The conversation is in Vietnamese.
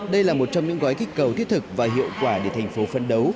đây là một trong những gói kích cầu thiết thực và hiệu quả để thành phố phân đấu